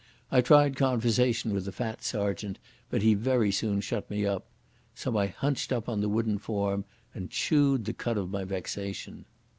I tried conversation with the fat sergeant, but he very soon shut me up. So I sat hunched up on the wooden form and chewed the cud of my vexation.